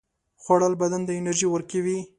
خوړل بدن ته انرژي ورکوي